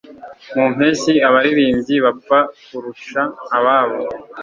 Mu mpeshyi abaririmbyi bapfa kurusha ababo